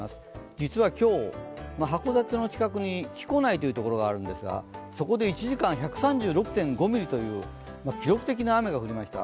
実は今日、函館の近くに木古内という所があるんですがそこで１時間１３６．５ミリという記録的な雨が降りました。